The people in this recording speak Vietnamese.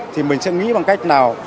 thì mình sẽ nghĩ bằng cách nào